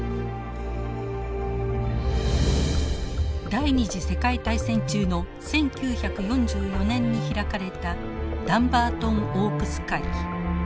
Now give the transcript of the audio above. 第２次世界大戦中の１９４４年に開かれたダンバートン・オークス会議。